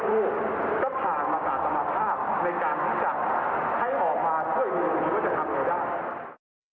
คุกก็ผ่านมาตราสมภาพในการพจชักให้ออกมาช่วยกิจละที่วิทยาทางเกอร์ดับ